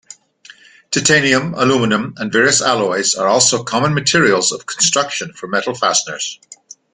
Titanium, aluminum, and various alloys are also common materials of construction for metal fasteners.